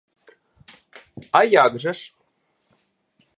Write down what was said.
А як же ж?